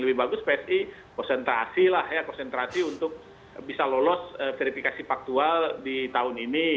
lebih bagus psi konsentrasi lah ya konsentrasi untuk bisa lolos verifikasi faktual di tahun ini